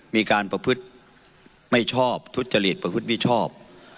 มีการทุจจรีกประพธุนวิชอบ